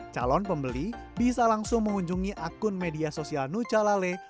calon pembeli bisa langsung mengunjungi akun media sosial nucalale